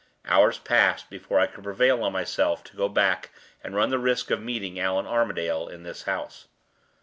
Hours passed before I could prevail on myself to go back and run the risk of meeting Allan Armadale in this house.